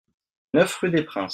neuf rue Des Princes